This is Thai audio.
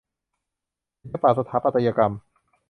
ศิลปะสถาปัตยกรรม